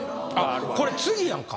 これ次やんか。